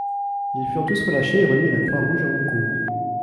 Ils furent tous relâchés et remis à la Croix-Rouge à Hong Kong.